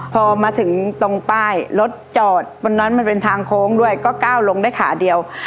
พอมาถึงตรงป้ายรถจอดบนนั้นมันเป็นทางโค้งด้วยก็ก้าวลงได้ขาเดียว